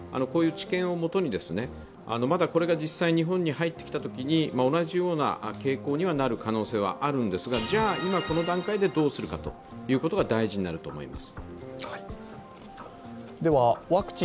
こういう治験をもとに、日本に入ってきたときに同じような傾向になる可能性はあるんですがでは今この段階でどうするかが大事になると思います。